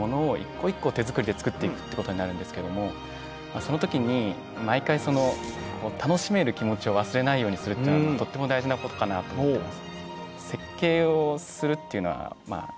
その時に毎回楽しめる気持ちを忘れないようにするっていうのはとっても大事なことかなと思ってます。